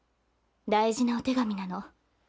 大事なお手紙なの。